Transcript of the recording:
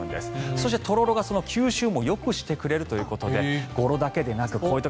そして、とろろが吸収もよくしてくれるということで語呂だけでなくこういう時。